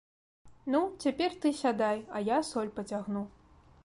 Ну, цяпер ты сядай, а я соль пацягну.